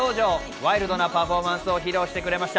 ワイルドなパフォーマンスを披露してくれました。